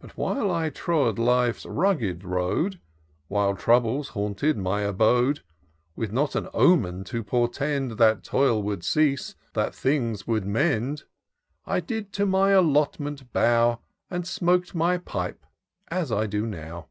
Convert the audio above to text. But while I trod life's rugged road. While troubles haunted my abode. With not an omen to portend That toil would cease, that things would mend, I did to my allotment bow, And smok'd my pipe as I do now.